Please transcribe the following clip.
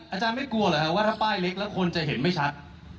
อาจารย์ไม่กลัวเหรอครับว่าถ้าป้ายเล็กแล้วคนจะเห็นไม่ชัด